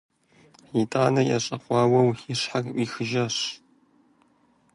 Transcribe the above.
ИтӀанэ ещӀэкъуауэу и щхьэр Ӏуихыжащ.